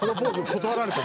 断られて。